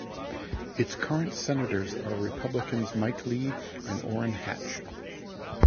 Its current senators are Republicans Mike Lee and Orrin Hatch.